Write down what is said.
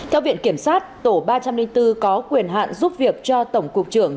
theo viện kiểm sát tổ ba trăm linh bốn có quyền hạn giúp việc cho tổng cục trưởng